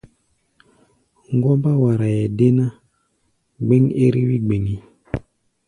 Ŋgɔ́mbá waraʼɛ dé ná, gbɛ́ŋ ɛ́r-wí gbɛŋí.